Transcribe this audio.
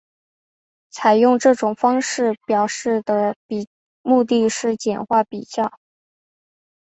采用这种方式表示的目的是简化比较。